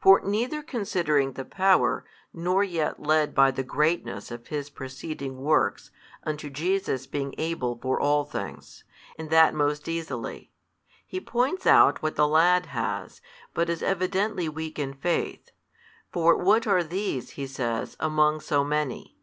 For neither considering the power, nor yet led by the greatness of His preceding works unto Jesus' being able for all things, and that most easily; he points out what the lad has, but is evidently weak in faith: for what are these (he says) among so many?